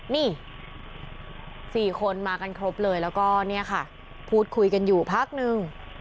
นี่๔คนมากันครบเลยแล้วก็เนี่ยค่ะพูดคุยกันอยู่พักนึง